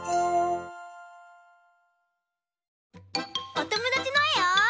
おともだちのえを。